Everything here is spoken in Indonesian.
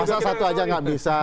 asal satu aja nggak bisa